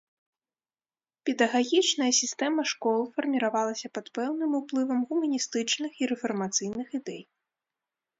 Педагагічная сістэма школ фарміравалася пад пэўным уплывам гуманістычных і рэфармацыйных ідэй.